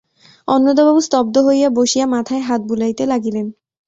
অন্নদাবাবু স্তব্ধ হইয়া বসিয়া মাথায় হাত বুলাইতে লাগিলেন।